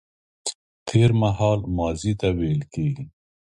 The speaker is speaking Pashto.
تېرمهال ماضي ته ويل کيږي